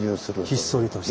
ひっそりとした。